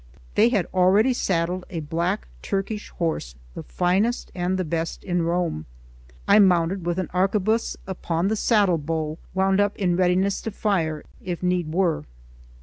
They had already saddled a black Turkish horse, the finest and the best in Rome. I mounted with an arquebuse upon the saddle bow, wound up in readiness to fire, if need were.